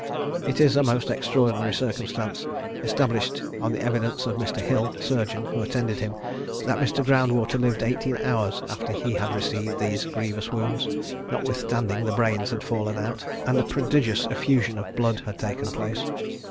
It is a most extraordinary circumstance, established on the evidence of Mr. Hill, surgeon, who attended him, that Mr. Groundwater lived eighteen hours after he had received these grievous wounds, notwithstanding the brains had fallen out, and a prodigious effusion of blood had taken place.